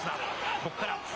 ここから。